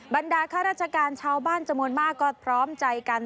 บรรดาข้าราชการชาวบ้านจำนวนมากก็พร้อมใจกัน